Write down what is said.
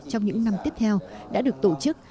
trong những năm tiếp theo đã được tổ chức